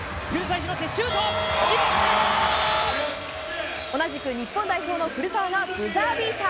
決まっ同じく日本代表の古澤がブザービーター。